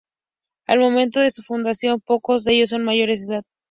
Al momento de su fundación, pocos de ellos eran mayores de edad.